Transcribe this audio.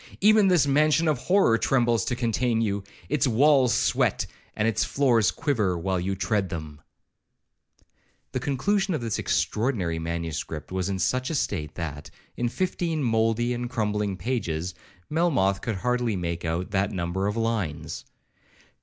Even this mansion of horror trembles to contain you; its walls sweat, and its floors quiver, while you tread them.' The conclusion of this extraordinary manuscript was in such a state, that, in fifteen mouldy and crumbling pages, Melmoth could hardly make out that number of lines.